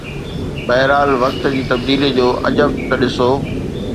بهرحال وقت جي تبديليءَ جو عجب ته ڏسو.